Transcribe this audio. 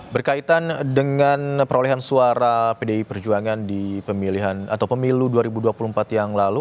berkaitan dengan perolehan suara pdi perjuangan di pemilihan atau pemilu dua ribu dua puluh empat yang lalu